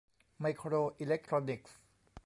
ไมโครอิเล็กทรอนิกส์